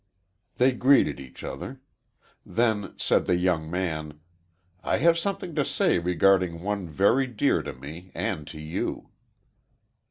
They greeted each other. Then said the young man, "I have something to say regarding one very dear to me and to you."